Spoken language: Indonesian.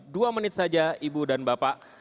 dua menit saja ibu dan bapak